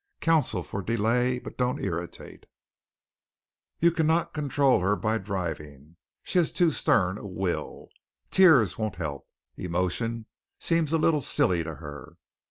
Counsel for delay, but don't irritate. You cannot control her by driving. She has too stern a will. Tears won't help. Emotion seems a little silly to her.